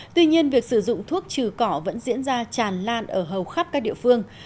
tuy nhiên việc sử dụng thuốc trừ cỏ vẫn diễn ra tràn lan ở hầu khắp các địa phương